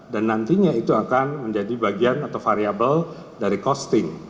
dan nantinya itu akan menjadi bagian atau variable dari costing